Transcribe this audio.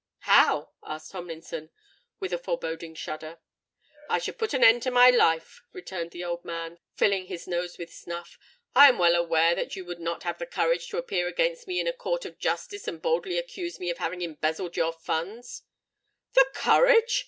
"How?" asked Tomlinson, with a foreboding shudder. "I should put an end to my life," returned the old man, filling his nose with snuff. "I am well aware that you would not have the courage to appear against me in a court of justice and boldly accuse me of having embezzled your funds——" "The courage!"